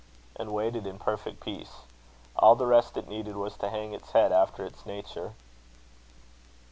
and waited in perfect peace. All the rest it needed was to hang its head after its nature."